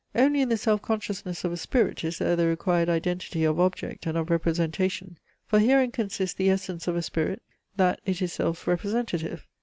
Only in the self consciousness of a spirit is there the required identity of object and of representation; for herein consists the essence of a spirit, that it is self representative.